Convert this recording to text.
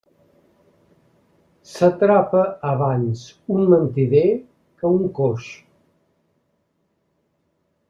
S'atrapa abans un mentider que un coix.